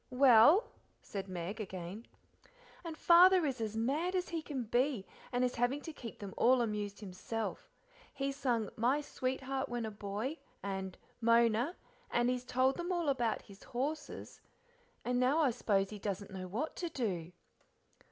"Well?" said Meg again. "And Father is as mad as he can be, and is having to keep them all amused himself. He's sung 'My sweetheart when a boy' and 'Mona,' and he's told them all about his horses, and now I s'pose he doesn't know what to do."